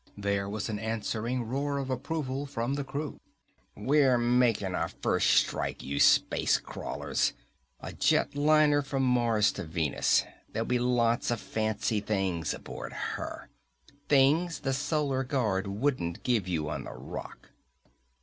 There was an answering roar of approval from the crew. "We're making our first strike, you space crawlers! A jet liner from Mars to Venus. There'll be lots of fancy things aboard her. Things the Solar Guard wouldn't give you on the Rock!"